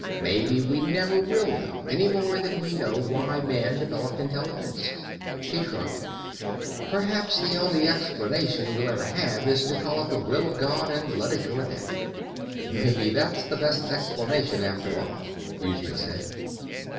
Maybe we never will know, any more than we know why Man developed intelligence." He shrugged. "Perhaps the only explanation we'll ever have is to call it the Will of God and let it go at that." "Maybe that's the best explanation, after all," Houston said.